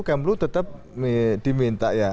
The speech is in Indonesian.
kemblu tetap diminta ya